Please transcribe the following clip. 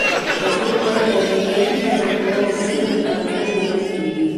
د تفریح لپاره د انځورګرۍ هنر زده کول د ذهن د خلاقیت لامل کیږي.